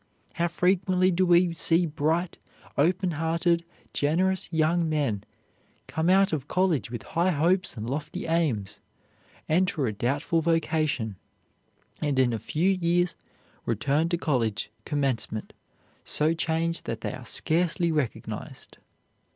How frequently do we see bright, open hearted, generous young men come out of college with high hopes and lofty aims, enter a doubtful vocation, and in a few years return to college commencement so changed that they are scarcely recognized.